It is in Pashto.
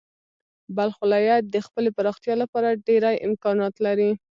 بلخ ولایت د خپلې پراختیا لپاره ډېری امکانات لري.